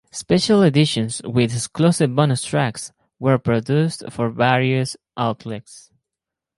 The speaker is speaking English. Special editions with exclusive bonus tracks were produced for various outlets.